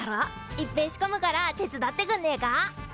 いっぺえ仕込むから手伝ってくんねえか？